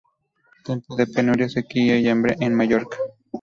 Tiempo de penuria, sequía y hambre en Mallorca.